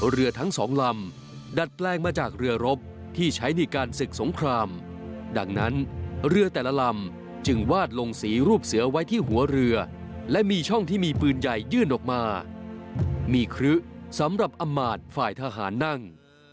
เรือทั้งสองลำดัดแปลงมาจากเรือรบที่ใช้ในการศึกสงครามดังนั้นเรือแต่ละลำจึงวาดลงสีรูปเสือไว้ที่หัวเรือและมีช่องที่มีปืนใหญ่ยื่นออกมามีครึสำหรับอำมาตย์ฝ่ายทหารนั่ง